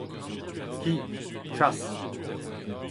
ki, chas